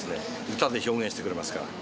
歌で表現してくれますから。